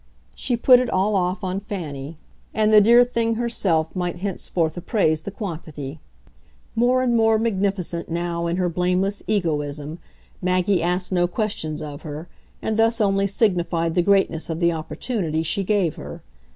She put it all off on Fanny, and the dear thing herself might henceforth appraise the quantity. More and more magnificent now in her blameless egoism, Maggie asked no questions of her, and thus only signified the greatness of the opportunity she gave her.